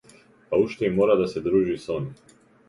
Па уште и мора да се дружи со нив.